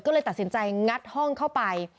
ก็เลยตัดสินใจงัดห้องเข้าไป